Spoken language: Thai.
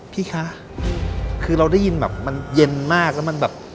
พี่คะคือเราได้ยินแบบมันเย็นมากแล้วมันแบบ